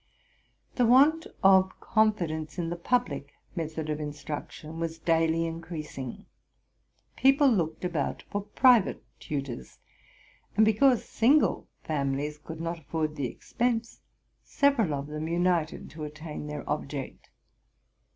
The want of confidence in the public method of instrue tion was daily increasing. People looked about for private tutors ; and, because single families could not afford the ex pense, several of them united to attain their object.